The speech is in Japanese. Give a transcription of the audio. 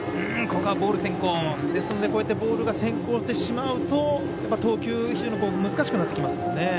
こうやってボールが先行してしまうと投球が非常に難しくなってしまいます。